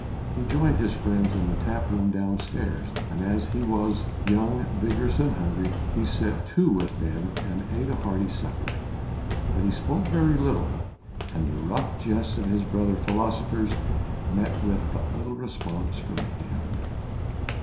He joined his friends in the tap room downstairs, and as he was young, vigorous and hungry he set to with them and ate a hearty supper. But he spoke very little and the rough jests of his brother philosophers met with but little response from him.